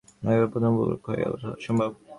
রাগিবার প্রথম উপলক্ষ হইল উহার স্বভাব।